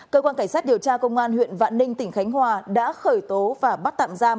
cơ quan cảnh sát điều tra công an huyện vạn ninh tỉnh khánh hòa đã khởi tố và bắt tạm giam